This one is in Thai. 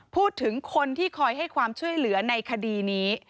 พูดถึงคนที่คอยให้ความช่วยเหลือในคดีนี้